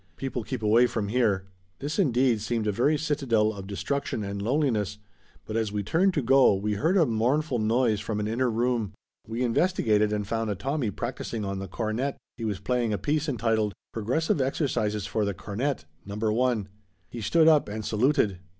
People keep away from here." This indeed seemed a very citadel of destruction and loneliness, but as we turned to go we heard a mournful noise from an inner room. We investigated and found a Tommy practicing on the cornet. He was playing a piece entitled, "Progressive Exercises for the Cornet Number One." He stood up and saluted.